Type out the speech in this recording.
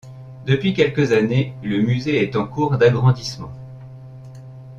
Depuis quelques années le musée est en cours d'agrandissement.